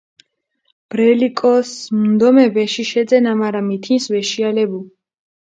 ბრელი კოს მუნდომებ, ეში შეძენა, მარა მითინს ვეშიალებუ.